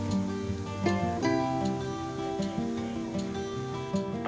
sebagai daya tarik wisata yang utama